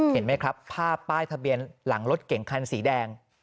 ภาพป้ายทะเบียนหลังรถเก่งคันสีแดง